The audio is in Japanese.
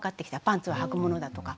パンツははくものだとか。